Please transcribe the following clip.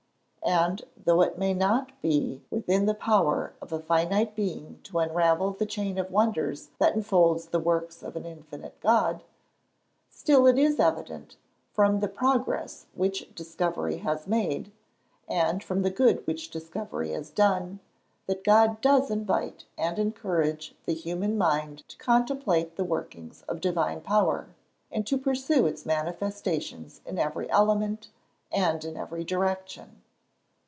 And though it may not be within the power of a finite being to unravel the chain of wonders that enfold the works of an infinite God, still it is evident, from the progress which discovery has made, and from the good which discovery has done, that God does invite and encourage the human mind to contemplate the workings of Divine power, and to pursue its manifestations in every element, and in every direction.